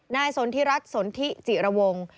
นายสนธิรักษ์สนธิจิระวง